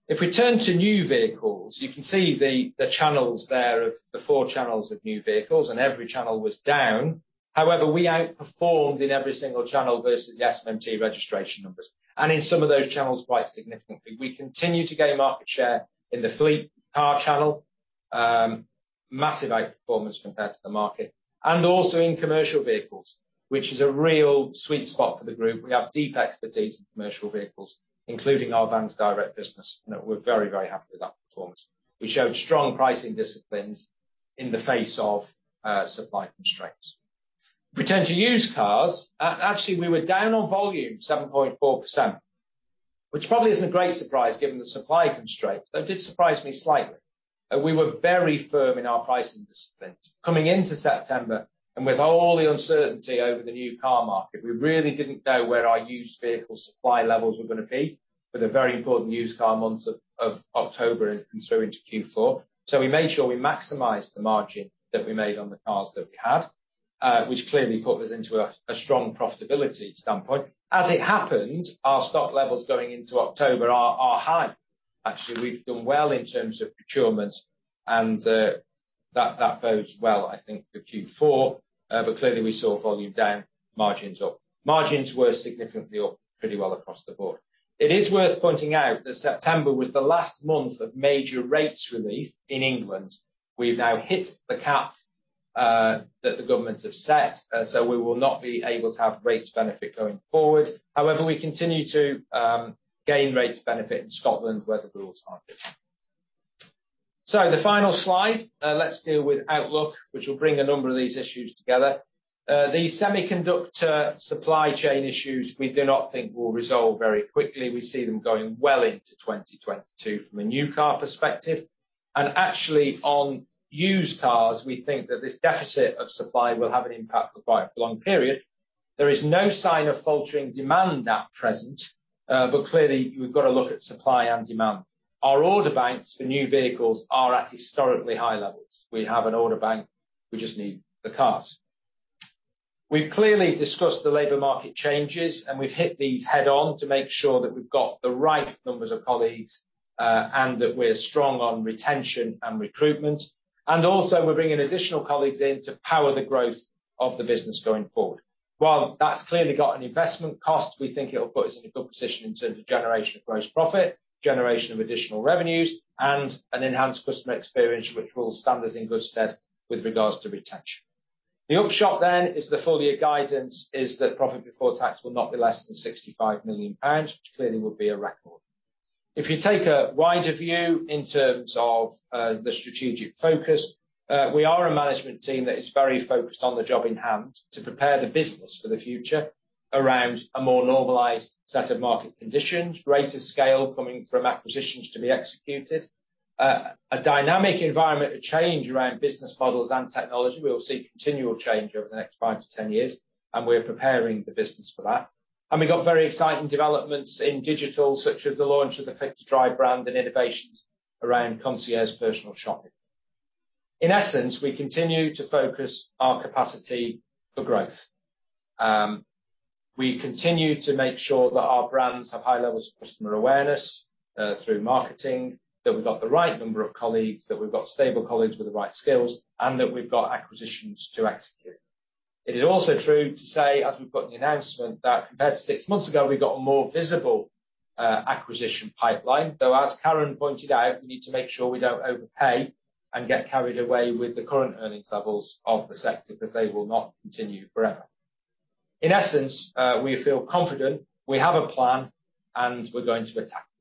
If we turn to new vehicles, you can see the channels there of the four channels of new vehicles and every channel was down. However, we outperformed in every single channel versus the SMMT registration numbers, and in some of those channels, quite significantly. We continue to gain market share in the fleet car channel. Massive outperformance compared to the market. Also in commercial vehicles, which is a real sweet spot for the group. We have deep expertise in commercial vehicles, including our Vansdirect business, and we're very, very happy with that performance. We showed strong pricing disciplines in the face of supply constraints. If we turn to used cars, actually, we were down on volume 7.4%, which probably isn't a great surprise given the supply constraints, though it did surprise me slightly, that we were very firm in our pricing disciplines. Coming into September, with all the uncertainty over the new car market, we really didn't know where our used vehicle supply levels were gonna be for the very important used car months of October and through into Q4. We made sure we maximized the margin that we made on the cars that we had, which clearly put us into a strong profitability standpoint. As it happened, our stock levels going into October are high. Actually, we've done well in terms of procurement and that bodes well, I think, for Q4. Clearly we saw volume down, margins up. Margins were significantly up pretty well across the board. It is worth pointing out that September was the last month of major rates relief in England. We've now hit the cap, that the government have set, so we will not be able to have rates benefit going forward. However, we continue to gain rates benefit in Scotland where the rules aren't as strict. The final slide, let's deal with outlook, which will bring a number of these issues together. The semiconductor supply chain issues we do not think will resolve very quickly. We see them going well into 2022 from a new car perspective. Actually on used cars, we think that this deficit of supply will have an impact for quite a long period. There is no sign of faltering demand at present, but clearly, we've got to look at supply and demand. Our order banks for new vehicles are at historically high levels. We have an order bank. We just need the cars. We've clearly discussed the labor market changes, we've hit these head-on to make sure that we've got the right numbers of colleagues, and that we're strong on retention and recruitment. Also, we're bringing additional colleagues in to power the growth of the business going forward. While that's clearly got an investment cost, we think it'll put us in a good position in terms of generation of gross profit, generation of additional revenues, and an enhanced customer experience, which will stand us in good stead with regards to retention. The upshot then is the full year guidance is that profit before tax will not be less than 65 million pounds, which clearly would be a record. If you take a wider view in terms of the strategic focus, we are a management team that is very focused on the job in hand to prepare the business for the future around a more normalized set of market conditions, greater scale coming from acquisitions to be executed, a dynamic environment of change around business models and technology. We will see continual change over the next 5-10 years, and we're preparing the business for that. We've got very exciting developments in digital, such as the launch of the Click2Drive brand and innovations around concierge personal shopping. In essence, we continue to focus our capacity for growth. We continue to make sure that our brands have high levels of customer awareness, through marketing, that we've got the right number of colleagues, that we've got stable colleagues with the right skills, and that we've got acquisitions to execute. It is also true to say, as we put in the announcement, that compared to six months ago, we've got a more visible acquisition pipeline, though, as Karen pointed out, we need to make sure we don't overpay and get carried away with the current earnings levels of the sector because they will not continue forever. In essence, we feel confident, we have a plan, and we're going to attack it.